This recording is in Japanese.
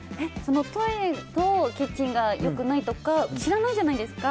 トイレとキッチンが良くないとか知らないじゃないですか。